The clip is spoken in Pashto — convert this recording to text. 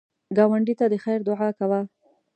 ګاونډي ته د خیر دعا کوه